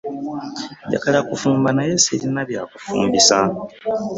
Njagala kufumba naye sirina byakufumbisa.